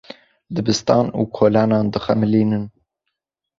Dibistan û kolanan dixemilînin.